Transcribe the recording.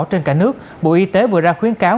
trên cả nước bộ y tế vừa ra khuyến cáo